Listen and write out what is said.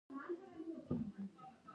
افغانستان د فاریاب لپاره مشهور دی.